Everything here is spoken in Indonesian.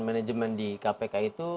manajemen di kpk itu